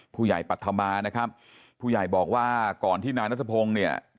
ปัธมานะครับผู้ใหญ่บอกว่าก่อนที่นายนัทพงศ์เนี่ย